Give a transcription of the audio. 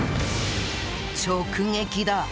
直撃だ！